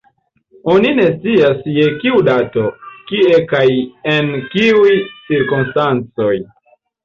Oni ne scias je kiu dato, kie kaj en kiuj cirkonstancoj.